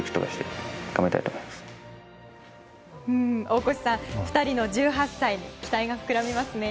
大越さん、２人の１８歳に期待が膨らみますね。